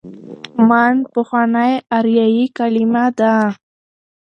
من: پخوانۍ آریايي کليمه ده.